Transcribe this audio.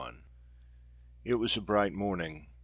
IT was a bright morning.